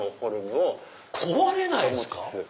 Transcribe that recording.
壊れないんですか？